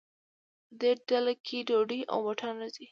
په دې ډله کې ډوډۍ او بوټان راځي.